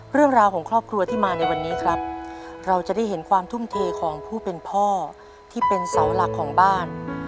เรื่องราวของครอบครัวที่มาในวันนี้ครับเราจะได้เห็นความทุ่มเทของผู้เป็นพ่อที่เป็นเสาหลักของบ้าน